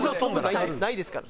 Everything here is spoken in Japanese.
ないですから。